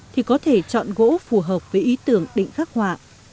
thì có thể chọn gỗ phù hợp với ý tưởng định khắc họa